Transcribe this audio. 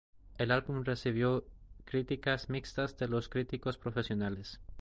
El álbum recibió críticas mixtas de los críticos profesionales.